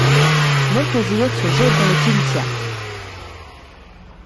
Monplaisir se jette dans le Tintia.